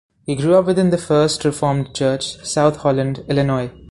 He grew up within the First Reformed Church, South Holland, Illinois.